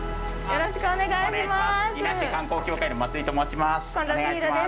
よろしくお願いします。